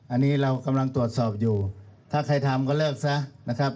อันนี้เรากำลังตรวจสอบอยู่ถ้าใครทำก็เลิกซะนะครับ